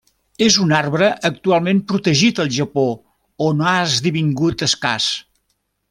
És un arbre actualment protegit al Japó on ha esdevingut escàs.